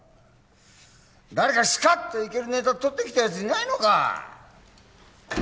誰かスカッといけるネタとってきたやついないのか？